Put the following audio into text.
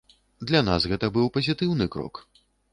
Для нас гэта быў пазітыўны крок.